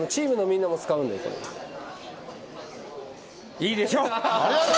いいでしょう。